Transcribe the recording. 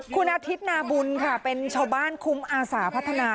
คุณอาทิตย์นาบุญค่ะเป็นชาวบ้านคุ้มอาสาพัฒนา